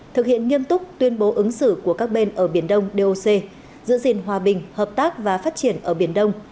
thực hiện nghiêm túc tuyên bố ứng xử của các bên ở biển đông doc giữ gìn hòa bình hợp tác và phát triển ở biển đông